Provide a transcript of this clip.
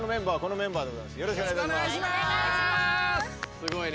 すごいね。